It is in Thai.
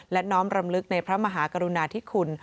และน้องประดับในพระมหากฎุณาที่ขุน